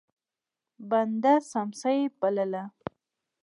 بنده سمڅه يې بلله.